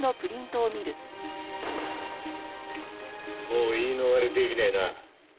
もう言い逃れできねえな。